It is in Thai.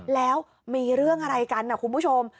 แล้วมีเรื่องอะไรกันนะคุณผู้ชม